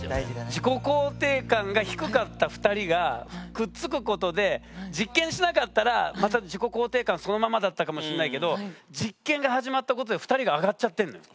自己肯定感が低かった２人がくっつくことで実験しなかったらまた自己肯定感そのままだったかもしんないけど実験が始まったことで２人が上がっちゃってんのよ。